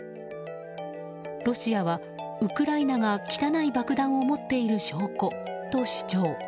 ロシアは、ウクライナが汚い爆弾を持っている証拠と主張。